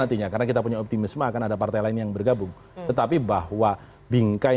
artinya karena kita punya optimisme akan ada partai lain yang bergabung tetapi bahwa bingkai